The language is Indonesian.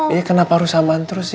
iya kenapa harus samaan terus sih